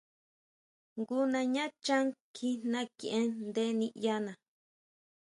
Jngu nañá chán kjijna kʼien nde niʼyana.